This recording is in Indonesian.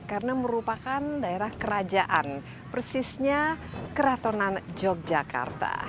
karena merupakan daerah kerajaan persisnya keratonan yogyakarta